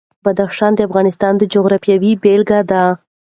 بدخشان د افغانستان د جغرافیې بېلګه ده.